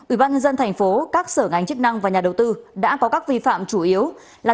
ủy ban nhân dân thành phố các sở ngành chức năng và nhà đầu tư đã có các vi phạm chủ yếu là